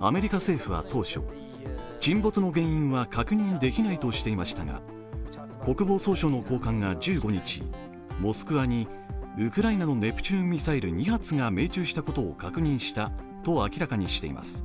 アメリカ政府は当初、沈没の原因は確認できないとしていましたが国防総称の交換が１５日、「モスクワ」にウクライナにネプチューンが命中したことを確認したと明らかにしています。